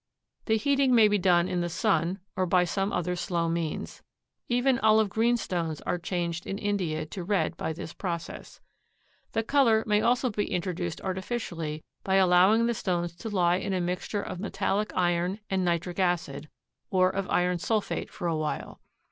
The heating may be done in the sun or by some other slow means. Even olive green stones are changed in India to red by this process. The color may also be introduced artificially by allowing the stones to lie in a mixture of metallic iron and nitric acid, or of iron sulphate for a while.